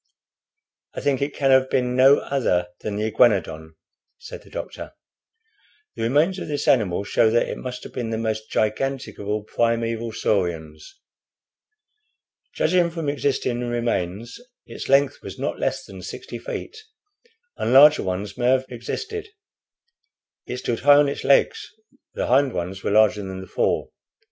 "I think it can have been no other than the Iguanodon," said the doctor. "The remains of this animal show that it must have been the most gigantic of all primeval saurians. Judging from existing remains its length was not less than sixty feet, and larger ones may have existed. It stood high on its legs; the hind ones were larger than the fore.